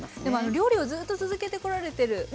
でも料理をずっと続けてこられてる